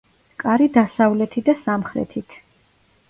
კარი დასავლეთი და სამხრეთით.